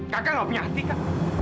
kakak loh punya hati kak